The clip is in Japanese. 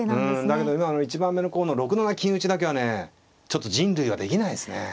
だけど１番目の６七金打だけはねちょっと人類はできないですね。